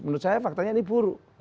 menurut saya faktanya ini buruk